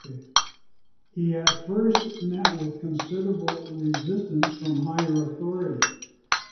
He at first met with considerable resistance from higher authority.